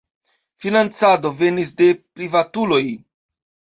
Financado venis de privatuloj.